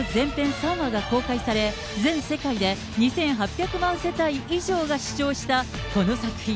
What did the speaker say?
３話が公開され、全世界で２８００万世帯以上が視聴した、この作品。